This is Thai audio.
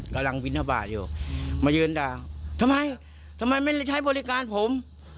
กำลังวิธีภาพหาอยู่อืมมาเยินดาทำไมทำไมไม่เลือกใช้บริการผม